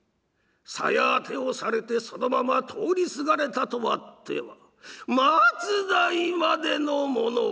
鞘当てをされてそのまま通りすがれたとあっては末代までの物笑い。